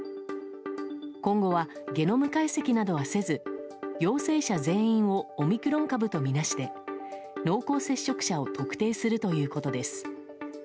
今後は、ゲノム解析などはせず陽性者全員をオミクロン株とみなして濃厚接触者を特定するということです。